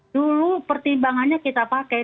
dulu pertimbangannya kita pakai